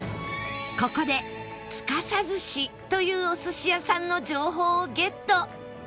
ここでツカサズシというお寿司屋さんの情報をゲット